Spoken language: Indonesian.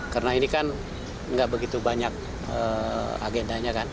karena ini kan nggak begitu banyak agendanya kan